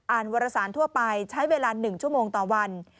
อ่านวรสารทั่วไปใช้เวลาหนึ่งชั่วโมงต่อวัน